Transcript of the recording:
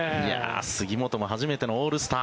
杉本も初めてのオールスター